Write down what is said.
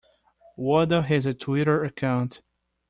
Wada has a Twitter account.